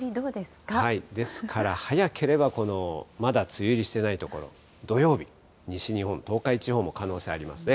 ですから早ければ、まだ梅雨入りしていない所、土曜日、西日本、東海地方も可能性ありますね。